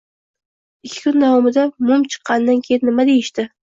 Ikki kun davomida mum chaqqanidan keyin nima deyishdi?